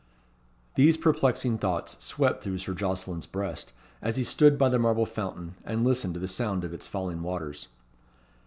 These perplexing thoughts swept through Sir Jocelyn's breast, as he stood by the marble fountain, and listened to the sound of its falling waters.